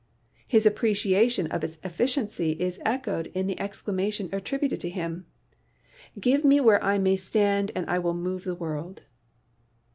His appreciation of its effi ciency is echoed in the exclamation attributed to him : "Give me where I may stand and I will move the world."